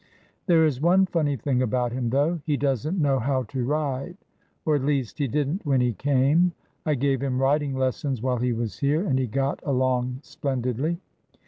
]'' There is one funny thing about him, though. He does n't know how to ride ! Or at least he did n't when he came. I gave him riding lessons while he was here, and he got along splendidly.